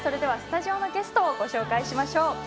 スタジオのゲストをご紹介しましょう。